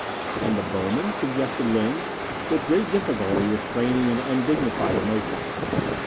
"And the bowmen?" suggested Ling, with difficulty restraining an undignified emotion.